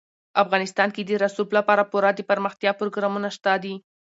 افغانستان کې د رسوب لپاره پوره دپرمختیا پروګرامونه شته دي.